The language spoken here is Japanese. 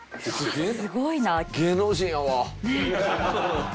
すごいな。